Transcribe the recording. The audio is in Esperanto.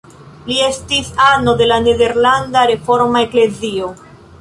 Li estis ano de la Nederlanda Reforma Eklezio.